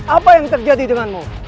apa yang terjadi denganmu